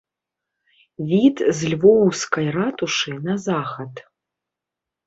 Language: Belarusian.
Від з львоўскай ратушы на захад.